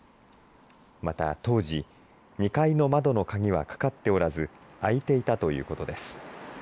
また当時２階の窓の鍵はかかっておらず開いていたということです。